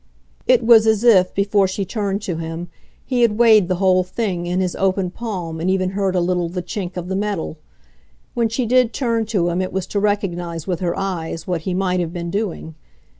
It was as if, before she turned to him, he had weighed the whole thing in his open palm and even heard a little the chink of the metal. When she did turn to him it was to recognise with her eyes what he might have been doing.